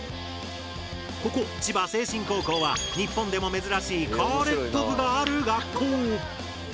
ここ千葉聖心高校は日本でも珍しいカーレット部がある学校。